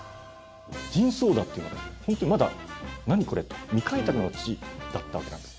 ジンソーダっていうのが本当にまだ何これって未開拓の地だったわけなんです。